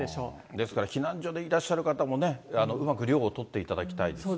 ですから、避難所でいらっしゃる方もね、うまく涼をとっていただきたいですね。